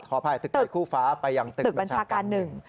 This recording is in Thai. ขออภัยตึกแต่คู่ฟ้าไปยังตึกบัญชาการ๑